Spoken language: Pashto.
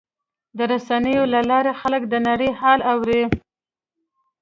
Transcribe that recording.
د رسنیو له لارې خلک د نړۍ حال اوري.